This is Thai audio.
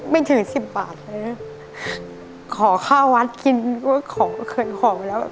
ไม่ถึงสิบบาทเลยนะขอข้าววัดกินก็ขอเคยขอไว้แล้ว